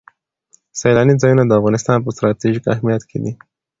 سیلاني ځایونه د افغانستان په ستراتیژیک اهمیت کې دي.